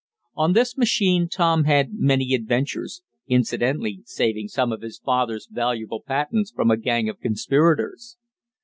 On this machine Tom had many adventures, incidentally saving some of his father's valuable patents from a gang of conspirators.